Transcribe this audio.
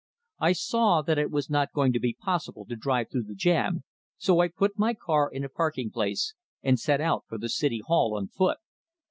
I saw that it was not going to be possible to drive through the jam, so I put my car in a parking place, and set out for the City Hall on foot.